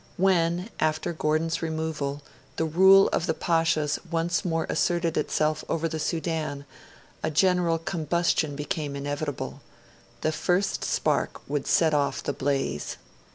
When, after Gordon's removal, the rule of the Pashas once more asserted itself over the Sudan, a general combustion became inevitable: the first spark would set off the blaze.